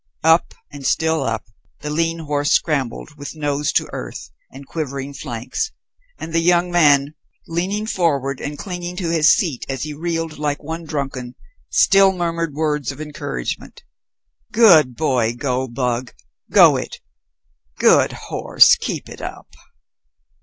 Up and still up the lean horse scrambled with nose to earth and quivering flanks, and the young man, leaning forward and clinging to his seat as he reeled like one drunken, still murmured words of encouragement. "Good boy Goldbug, go it. Good horse, keep it up."